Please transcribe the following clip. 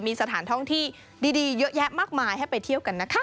มีสถานท่องที่ดีเยอะแยะมากมายให้ไปเที่ยวกันนะคะ